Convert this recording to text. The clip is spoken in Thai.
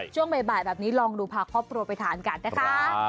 ช่วงบ่ายแบบนี้ลองดูพาครอบครัวไปทานกันนะคะ